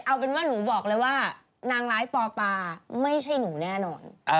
เอาเป็นว่าหนูบอกเลยว่านางร้ายปอปาไม่ใช่หนูแน่นอน